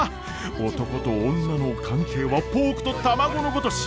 男と女の関係はポークと卵のごとし！